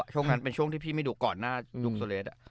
ช่วงนั้นเป็นช่วงที่พี่ไม่ดูก่อนหน้ายุคโซเลส